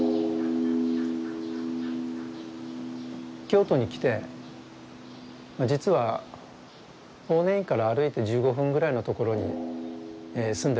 京都に来て実は法然院から歩いて１５分ぐらいの所に住んでたんですね。